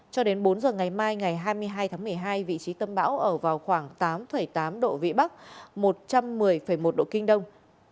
cho đến bốn giờ ngày mai ngày hai mươi hai tháng một mươi hai vị trí tâm bão ở vào khoảng tám tám độ vĩ bắc một trăm một mươi một độ kinh đông